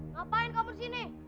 ngapain kamu disini